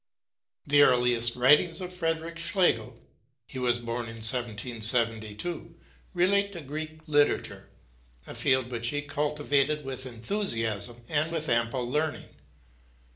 The earliest writings of Friedrich Schlegel he was born in 1772 relate to Greek literature, a field which he cultivated with enthusiasm and with ample learning.